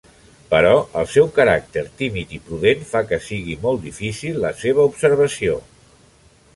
Però el seu caràcter tímid i prudent fa que sigui molt difícil la seva observació.